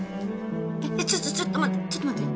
えっえっちょちょっと待ってちょっと待って。